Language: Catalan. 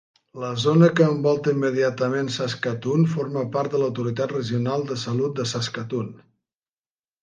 La zona que envolta immediatament Saskatoon forma part de l'Autoritat Regional de Salut de Saskatoon.